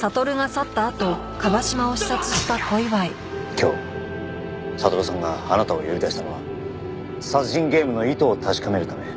今日悟さんがあなたを呼び出したのは殺人ゲームの意図を確かめるため。